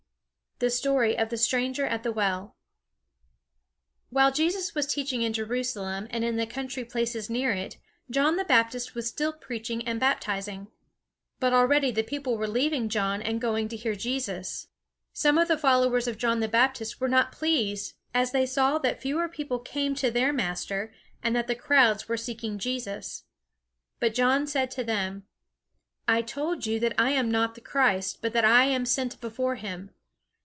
THE STORY OF THE STRANGER AT THE WELL While Jesus was teaching in Jerusalem and in the country places near it, John the Baptist was still preaching and baptizing. But already the people were leaving John and going to hear Jesus. Some of the followers of John the Baptist were not pleased as they saw that fewer people came to their master, and that the crowds were seeking Jesus. But John said to them: "I told you that I am not the Christ, but that I am sent before him.